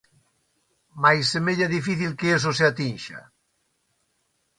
Mais semella difícil que iso se atinxa.